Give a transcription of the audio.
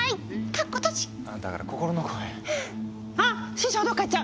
師匠どっか行っちゃう！